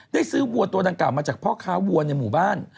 ซื้อวัวตัวดังกล่ามาจากพ่อค้าวัวในหมู่บ้าน